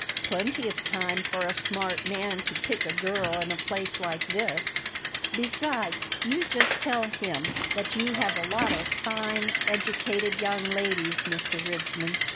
"Plenty of time for a smart man to pick a girl in a place like this. Besides, you just tell him that you have a lot of fine, educated young ladies, Mr. Rivesman.